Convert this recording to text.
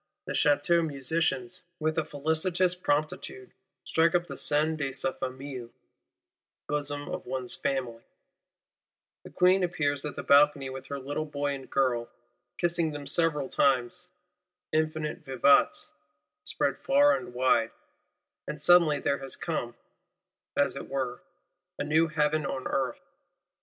The Château Musicians, with a felicitous promptitude, strike up the Sein de sa Famille (Bosom of one's Family): the Queen appears at the balcony with her little boy and girl, "kissing them several times;" infinite Vivats spread far and wide;—and suddenly there has come, as it were, a new Heaven on Earth.